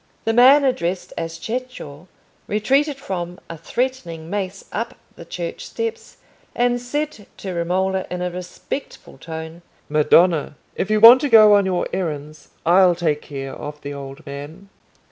The man addressed as Cecco retreated from a threatening mace up the church steps, and said to Romola, in a respectful tone— "Madonna, if you want to go on your errands, I'll take care of the old man."